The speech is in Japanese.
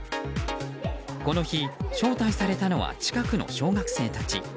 この日、招待されたのは近くの小学生たち。